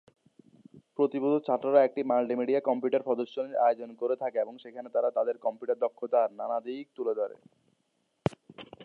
প্রতিবছর ছাত্ররা একটি মাল্টিমিডিয়া কম্পিউটার প্রদর্শনীর আয়োজন করে থাকে এবং সেখানে তারা তাদের কম্পিউটার দক্ষতার নানা দিক তুলে ধরে।